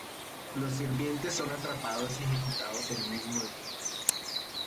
Los sirvientes son atrapados y ejecutados el mismo día.